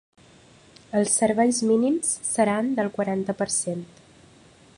Els serveis mínims seran del quaranta per cent.